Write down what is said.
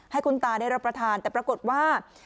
ให้คุณตาได้รับประทานแต่ปรากฏว่า